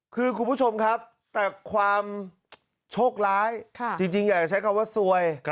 คือคุณผู้ชมครับแต่ความโชคร้ายจริงอยากจะใช้คำว่าซวย